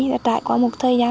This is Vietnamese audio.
đã trải qua một thời gian